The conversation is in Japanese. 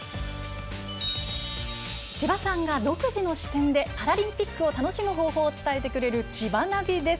千葉さんが独自の視点でパラリンピックを楽しむ方法を伝えてくれる「ちばナビ」です。